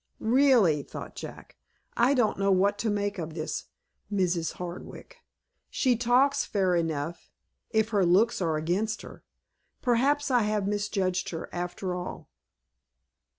"Really," thought Jack; "I don't know what to make of this Mrs. Hardwick. She talks fair enough, if her looks are against her. Perhaps I have misjudged her, after all."